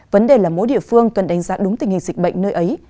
vấn đề là mỗi địa phương cần đánh giá đúng tình hình dịch bệnh nơi ấy